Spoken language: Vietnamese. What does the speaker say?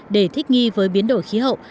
để thích nghi với biến đổi khí hậu